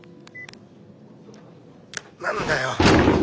何だよ！